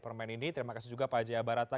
permen ini terima kasih juga pak jaya barata